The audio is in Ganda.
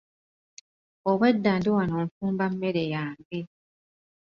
Obwedda ndi wano nfumba mmere yange.